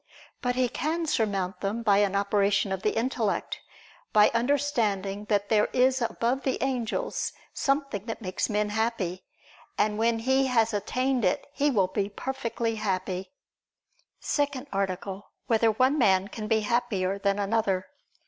But he can surmount them by an operation of the intellect, by understanding that there is above the angels something that makes men happy; and when he has attained it, he will be perfectly happy. ________________________ SECOND ARTICLE [I II, Q. 5, Art. 2] Whether One Man Can Be Happier Than Another?